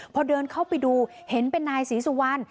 พอเดินเข้าไปดูเห็นเป็นนายศรีสุวรรณ